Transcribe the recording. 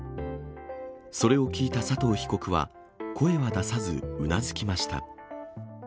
それを聞いた佐藤被告は、声は出さず、うなずきました。